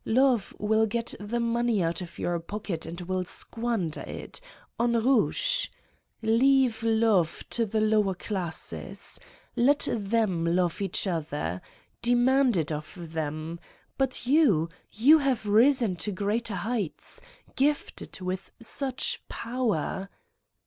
Love will get the money out of your pocket and will squander it ... on rouge ! Leave love to the lower classes. Let them love each other. Demand it of them, but you, you have risen to greater heights, gifted with such power!